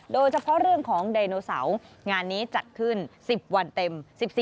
โดยเฉพาะเรื่องของไดโนเสาร์งานนี้จัดขึ้น๑๐วันเต็ม๑๔